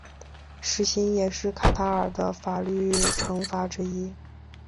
石刑也是卡塔尔的法律惩罚之一。